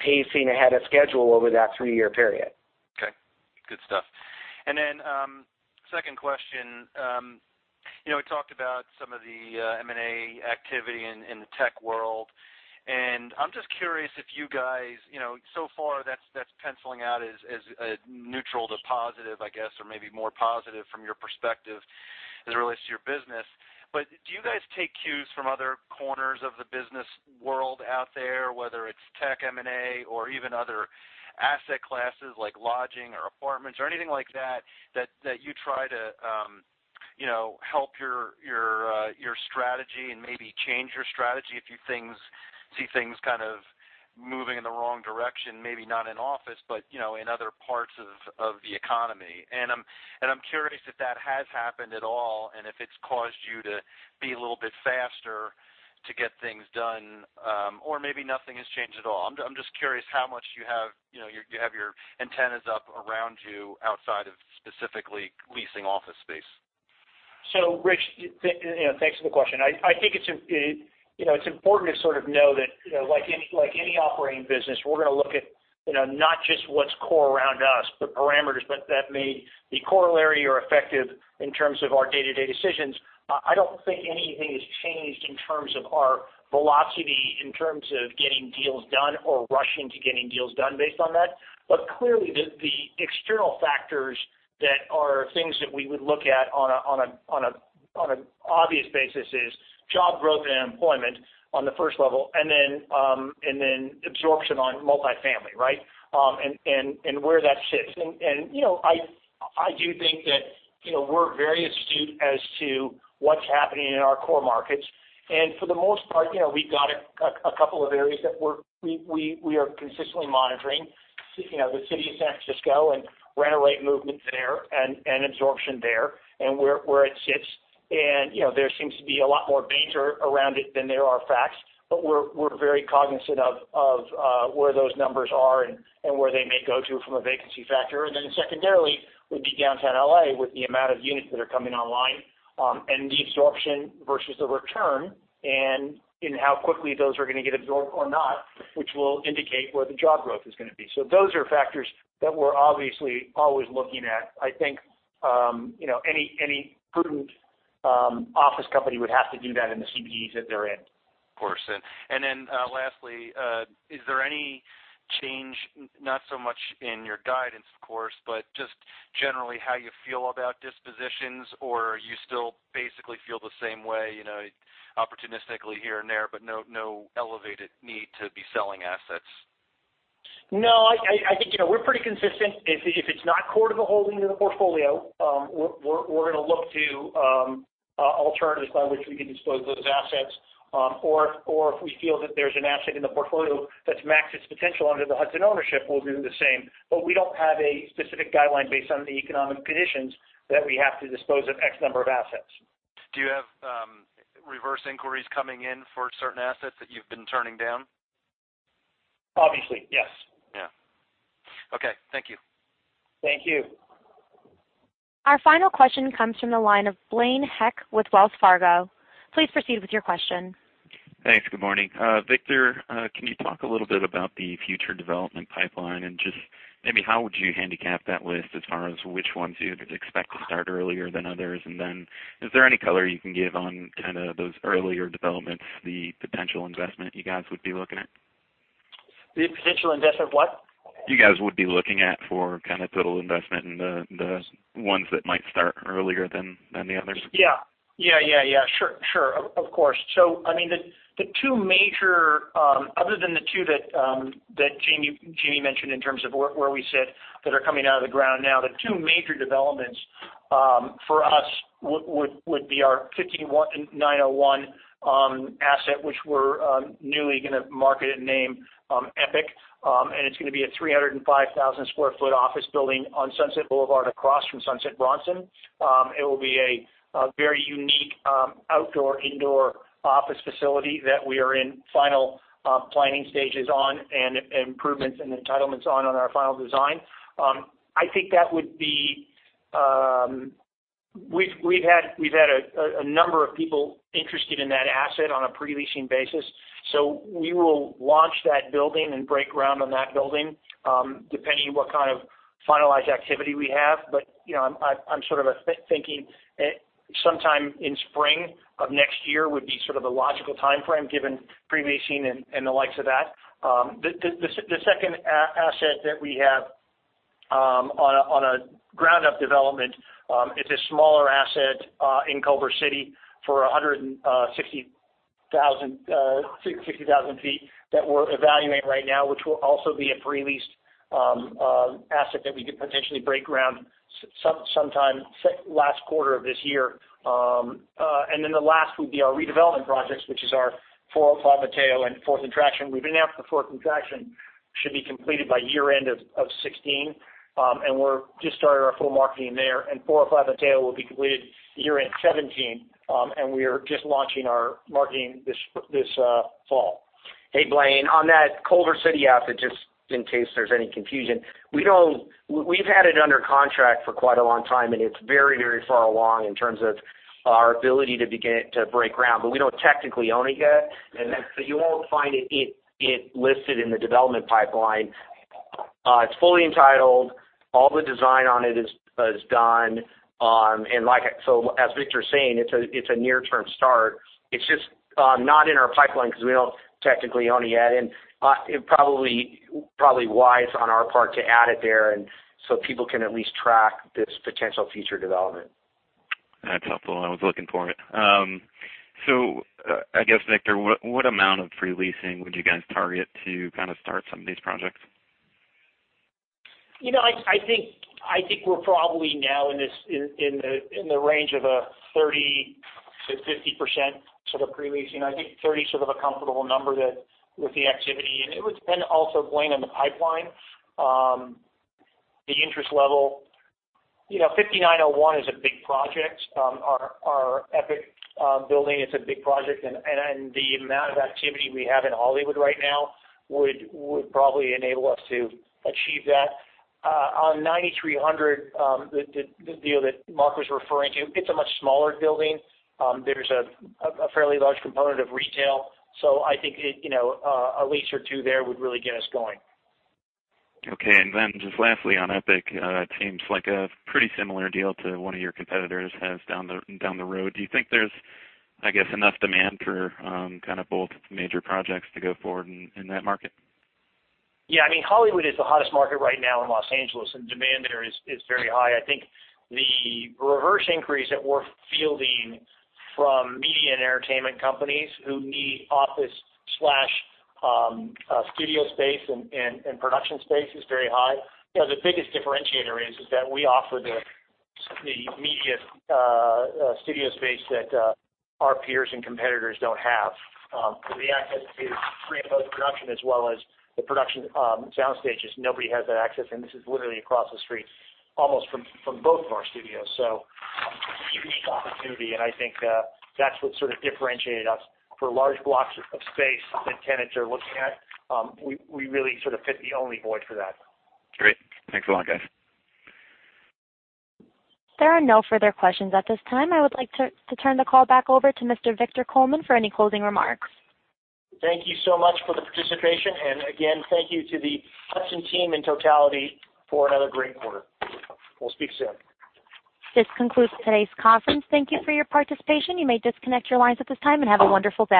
pacing ahead of schedule over that three-year period. Okay. Good stuff. Second question. We talked about some of the M&A activity in the tech world, and I'm just curious if you guys, so far that's penciling out as neutral to positive, I guess, or maybe more positive from your perspective as it relates to your business. Do you guys take cues from other corners of the business world out there, whether it's tech M&A or even other asset classes like lodging or apartments or anything like that you try to help your strategy and maybe change your strategy if you see things kind of moving in the wrong direction, maybe not in office, but in other parts of the economy. I'm curious if that has happened at all and if it's caused you to be a little bit faster to get things done, or maybe nothing has changed at all. I'm just curious how much you have your antennas up around you outside of specifically leasing office space. Rich, thanks for the question. I think it's important to sort of know that, like any operating business, we're going to look at not just what's core around us, but parameters that may be corollary or effective in terms of our day-to-day decisions. I don't think anything has changed in terms of our velocity in terms of getting deals done or rushing to getting deals done based on that. Clearly, the external factors that are things that we would look at on an obvious basis is job growth and employment on the first level, and then absorption on multifamily, right? Where that sits. I do think that we're very astute as to what's happening in our core markets. For the most part, we've got a couple of areas that we are consistently monitoring. The city of San Francisco and rent rate movements there and absorption there and where it sits. There seems to be a lot more danger around it than there are facts, but we're very cognizant of where those numbers are and where they may go to from a vacancy factor. Secondarily, would be downtown L.A. with the amount of units that are coming online, and the absorption versus the return and in how quickly those are going to get absorbed or not, which will indicate where the job growth is going to be. Those are factors that we're obviously always looking at. I think any prudent office company would have to do that in the CBDs that they're in. Of course. Lastly, is there any change, not so much in your guidance, of course, but just generally how you feel about dispositions, or you still basically feel the same way, opportunistically here and there, but no elevated need to be selling assets? No, I think we're pretty consistent. If it's not core to the holding of the portfolio, we're going to look to alternatives by which we can dispose those assets. If we feel that there's an asset in the portfolio that's maxed its potential under the Hudson ownership, we'll do the same. We don't have a specific guideline based on the economic conditions that we have to dispose of X number of assets. Do you have reverse inquiries coming in for certain assets that you've been turning down? Obviously, yes. Yeah. Okay, thank you. Thank you. Our final question comes from the line of Blaine Heck with Wells Fargo. Please proceed with your question. Thanks. Good morning. Victor, can you talk a little bit about the future development pipeline and just maybe how would you handicap that list as far as which ones you'd expect to start earlier than others? Is there any color you can give on kind of those earlier developments, the potential investment you guys would be looking at? The potential investment what? You guys would be looking at for kind of total investment in the ones that might start earlier than the others. Yeah. Sure. Of course. I mean, other than the two that Jamie mentioned in terms of where we said that are coming out of the ground now, the two major developments for us would be our 5901 asset, which we're newly going to market and name EPIC. It's going to be a 305,000 sq ft office building on Sunset Boulevard across from Sunset Bronson. It will be a very unique outdoor-indoor office facility that we are in final planning stages on and improvements and entitlements on our final design. We've had a number of people interested in that asset on a pre-leasing basis. We will launch that building and break ground on that building, depending what kind of finalized activity we have. I'm sort of thinking sometime in spring of next year would be sort of the logical timeframe given pre-leasing and the likes of that. The second asset that we have on a ground-up development, it's a smaller asset in Culver City for 160,000 sq ft that we're evaluating right now, which will also be a pre-leased asset that we could potentially break ground sometime last quarter of this year. The last would be our redevelopment projects, which is our 405 Mateo and Fourth and Traction. We've announced that Fourth and Traction should be completed by year-end of 2016. We're just starting our full marketing there. 405 Mateo will be completed year-end 2017. We are just launching our marketing this fall. Hey, Blaine, on that Culver City asset, just in case there's any confusion, we've had it under contract for quite a long time, and it's very far along in terms of our ability to break ground. We don't technically own it yet. You won't find it listed in the development pipeline. It's fully entitled. All the design on it is done. As Victor was saying, it's a near-term start. It's just not in our pipeline because we don't technically own it yet, and probably wise on our part to add it there, so people can at least track this potential future development. That's helpful. I was looking for it. I guess, Victor, what amount of pre-leasing would you guys target to kind of start some of these projects? I think we're probably now in the range of a 30%-50% sort of pre-leasing. I think 30 is sort of a comfortable number with the activity. It would depend also, Blaine, on the pipeline, the interest level. 5901 is a big project. Our EPIC building, it's a big project, and the amount of activity we have in Hollywood right now would probably enable us to achieve that. On 9300, the deal that Mark was referring to, it's a much smaller building. There's a fairly large component of retail. I think a lease or two there would really get us going. Okay. Just lastly, on EPIC, it seems like a pretty similar deal to one of your competitors has down the road. Do you think there's, I guess, enough demand for kind of both major projects to go forward in that market? Yeah, I mean, Hollywood is the hottest market right now in Los Angeles, and demand there is very high. I think the reverse inquiries that we're fielding from media and entertainment companies who need office/studio space and production space is very high. The biggest differentiator is that we offer the media studio space that our peers and competitors don't have. The access to pre- and post-production as well as the production sound stages, nobody has that access, and this is literally across the street, almost from both of our studios. A unique opportunity, and I think that's what sort of differentiated us. For large blocks of space that tenants are looking at, we really sort of fit the only void for that. Great. Thanks a lot, guys. There are no further questions at this time. I would like to turn the call back over to Mr. Victor Coleman for any closing remarks. Thank you so much for the participation. Again, thank you to the Hudson team in totality for another great quarter. We'll speak soon. This concludes today's conference. Thank you for your participation. You may disconnect your lines at this time, and have a wonderful day.